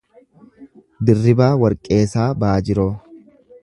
Dirribaa Warqeesaa Baajiroo